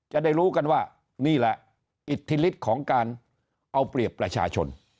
จะได้รู้กันว่านี่แหละอิทธิฤทธิ์ของการเอาเปรียบประชาชน